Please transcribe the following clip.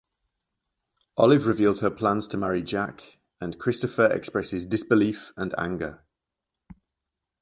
Olive reveals her plans to marry Jack and Christopher expresses disbelief and anger.